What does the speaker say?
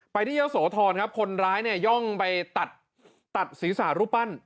ที่เยอะโสธรครับคนร้ายเนี่ยย่องไปตัดศีรษะรูปปั้น